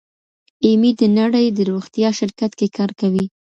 ایمي د نړۍ د روغتیا شرکت کې کار کوي.